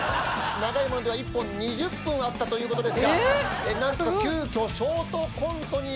長いものでは１本２０分あったということですがなんと急きょショートコントにしてのチャレンジとなります。